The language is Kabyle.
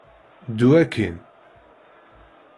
Ddu akkin!